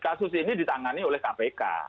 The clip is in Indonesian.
kasus ini ditangani oleh kpk